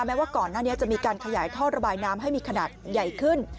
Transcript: ว่าก่อนหน้านี้จะมีการขยายท่อระบายน้ำให้มีขนาดใหญ่ขึ้น